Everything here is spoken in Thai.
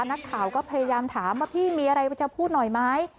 นักข่าวก็พยายามถามว่าพี่มีอะไรจะพูดหน่อยไหม